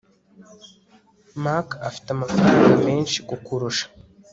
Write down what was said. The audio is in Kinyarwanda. mark afite amafaranga menshi kukurusha